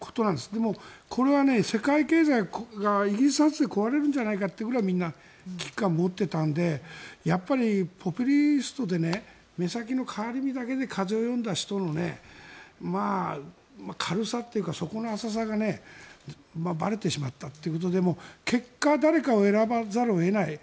でも、これは世界経済がイギリス発で壊れるんじゃないかってぐらいみんな危機感を持っていたのでやっぱりポピュリストで目先の変わり身だけで風を読んだ人の軽さっていうか、底の浅さがばれてしまったということで結果、誰かを選ばざるを得ない。